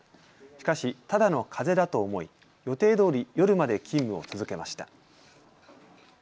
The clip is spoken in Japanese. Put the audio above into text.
しかし、ただのかぜだと思い予定どおり夜まで勤務を続けました。